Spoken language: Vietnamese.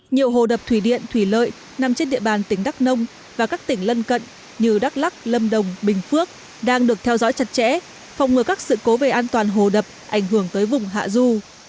nhiều hồ đập thủy điện thủy lợi nằm trên địa bàn tỉnh đắk nông và các tỉnh lân cận như đắk lắc lâm đồng bình phước đang được theo dõi chặt chẽ phòng ngừa các sự cố về an toàn hồ đập ảnh hưởng tới vùng hạ du